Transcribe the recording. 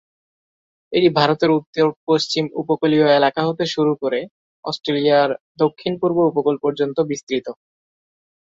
এটি ভারতের উত্তর পশ্চিম উপকূলীয় এলাকা হতে শুরু করে অস্ট্রেলিয়ার দক্ষিণ-পূর্ব উপকূল পর্যন্ত বিস্তৃত।